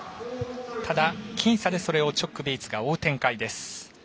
ただ、僅差でそれをチョック、ベイツが追う展開です。